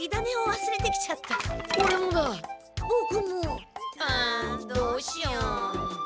わあどうしよう。